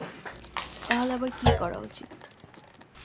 তাহলে আবার কি করা উচিত?